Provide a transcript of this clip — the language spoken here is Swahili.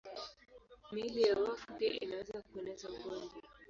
Miili ya wafu pia inaweza kueneza ugonjwa.